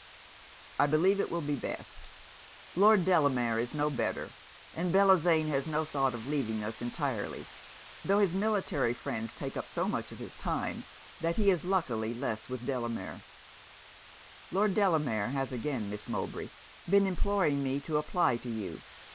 'I believe it will be best. Lord Delamere is no better; and Bellozane has no thought of leaving us entirely, tho' his military friends take up so much of his time that he is luckily less with Delamere. Lord Delamere has again, Miss Mowbray, been imploring me to apply to you.